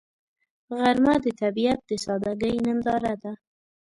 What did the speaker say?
غرمه د طبیعت د سادګۍ ننداره ده